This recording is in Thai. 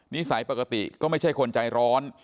สัยปกติก็ไม่ใช่คนใจร้อน